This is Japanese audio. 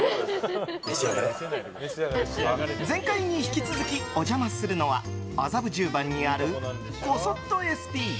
前回に引き続きお邪魔するのは麻布十番にあるコソットエスピー。